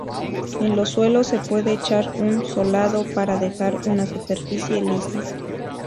En los suelos se puede echar un solado para dejar una superficie lisa.